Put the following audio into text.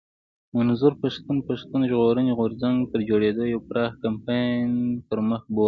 منظور پښتين پښتون ژغورني غورځنګ تر جوړېدو يو پراخ کمپاين پر مخ بوت